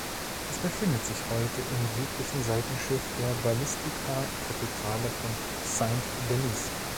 Es befindet sich heute im südlichen Seitenschiff der Basilika-Kathedrale von Saint-Denis.